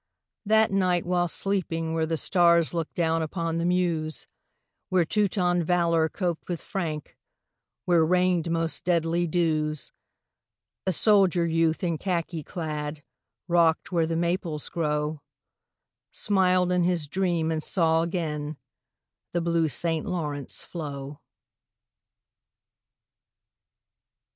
That night while sleeping where the stars Look down upon the Meuse, Where Teuton valor coped with Frank, Where rained most deadly dews, A soldier youth in khaki clad, Rock'd where the Maples grow, Smiled in his dream and saw again The blue St. Lawrence flow.